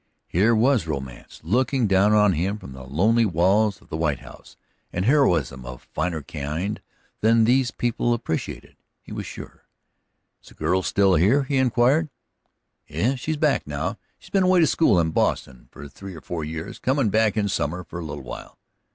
Here was romance looking down on him from the lonely walls of that white house, and heroism of a finer kind than these people appreciated, he was sure. "Is the girl still here?" he inquired. "Yes, she's back now. She's been away to school in Boston for three or four years, comin' back in summer for a little while."